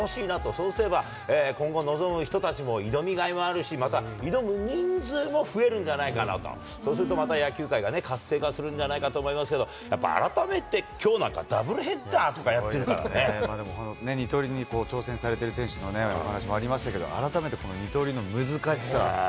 そうすれば、今後、臨む人たちも挑みがいがありますし、また挑む人数も増えるんではないかなと、そうするとまた野球界が活性化するんでないかと思いますけど、やっぱ改めてきょうなんか、ダブルヘッダーとかやってるから二刀流に挑戦されている選手のお話もありましたけど、改めてこの二刀流の難しさ。